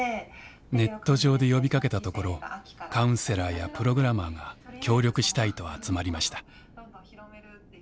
ネット上で呼びかけたところカウンセラーやプログラマーが協力したいと集まりました。